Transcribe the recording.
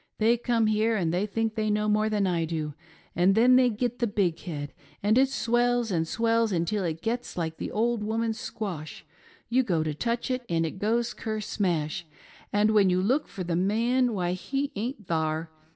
Tliey come here and fhey think they know more than I do, and then they git the big head, and it swells and swells until it gits like the old woman's squash— you go tio touch it and it goes ker smash ; and when you look for the man, why he aint thar.